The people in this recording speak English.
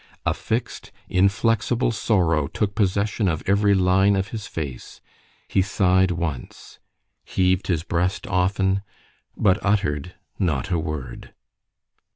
A fix'd, inflexible sorrow took possession of every line of his face.—He sigh'd once——heaved his breast often—but uttered not a word.